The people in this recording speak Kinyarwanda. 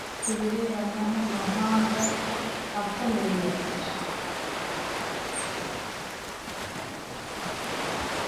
ku birebana n'amahanga akomeye ya kure